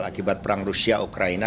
akibat perang rusia ukraina